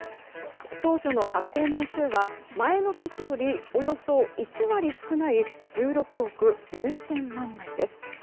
当初の発行枚数は前の年よりおよそ１割少ない１６億４０００万枚です。